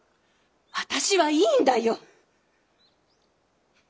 私はいいんだよ！